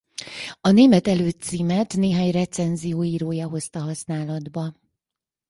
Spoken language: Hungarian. A német elő-címet néhány recenzió írója hozta használatba.